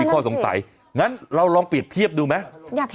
ไม่เหมือนยังมีข้อสงสัยงั้นเราลองเปรียบเทียบดูไหม